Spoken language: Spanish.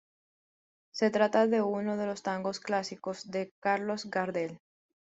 Se trata de uno de los tangos clásicos de Carlos Gardel.